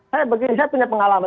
saya punya pengalaman